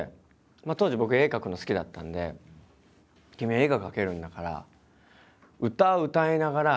当時僕絵描くの好きだったんで「君絵が描けるんだから」